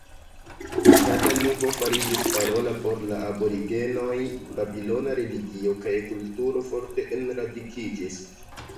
Akada lingvo fariĝis parola por la aborigenoj, babilona religio kaj kulturo forte enradikiĝis.